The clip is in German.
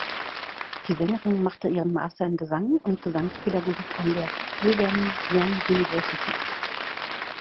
Die Sängerin machte ihren Master in Gesang und Gesangspädagogik an der Brigham Young University.